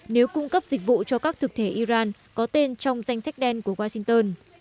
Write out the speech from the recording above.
nếu cung cấp dịch vụ cho các thực thể iran có tên trong danh sách đen của washington